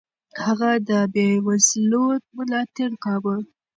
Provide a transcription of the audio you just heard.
هغه د بېوزلو ملاتړ کاوه.